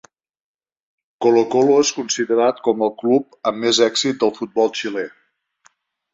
Colo-Colo és considerat com el club amb més èxit del futbol xilè.